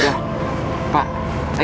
terima kasih pak ustadz